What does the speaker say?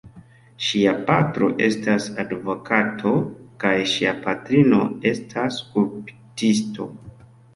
Ŝia patro estas advokato kaj ŝia patrino estas skulptisto.